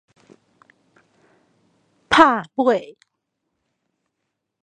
帕尾